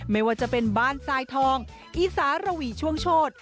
ไม่ว่าจะเป็นบ้านทรายทองอีสารวีช่วงโชธ